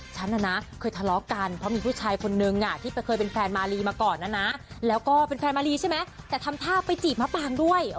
เราต้องผิดใจกัน